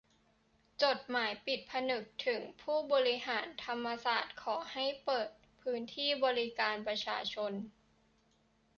จดหมายเปิดผนึกถึงผู้บริหารธรรมศาสตร์ขอให้เปิดพื้นที่บริการประชาชน